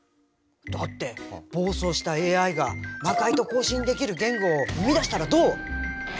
だって暴走したＡＩが魔界と交信できる言語を生み出したらどう？